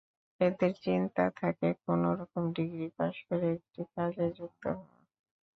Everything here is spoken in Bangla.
এদের চিন্তা থাকে, কোনো রকম ডিগ্রি পাস করে একটি কাজে যুক্ত হওয়া।